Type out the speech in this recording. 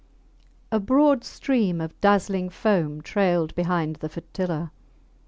A broad stream of dazzling foam trailed behind the flotilla.